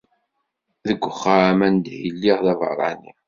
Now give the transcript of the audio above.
Deg uxxam anda i lliɣ d aberrani.